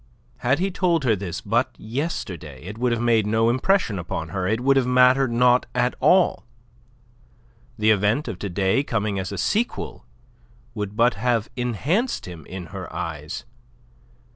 Had he told her this but yesterday, it would have made no impression upon her, it would have mattered not at all; the event of to day coming as a sequel would but have enhanced him in her eyes.